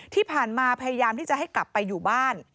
ที่ผ่านมาพยายามที่จะให้กลับไปอยู่บ้าน